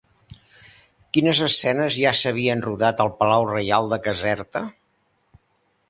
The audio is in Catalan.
Quines escenes ja s'havien rodat al Palau Reial de Caserta?